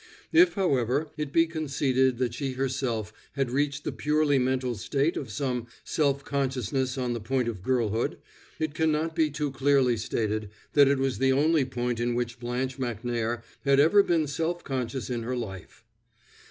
If, however, it be conceded that she herself had reached the purely mental stage of some self consciousness on the point of girlhood, it can not be too clearly stated that it was the only point in which Blanche Macnair had ever been self conscious in her life.